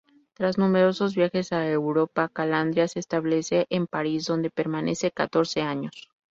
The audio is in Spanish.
Tras numerosos viajes a Europa, Calandria se establece en París, donde permanece catorce años.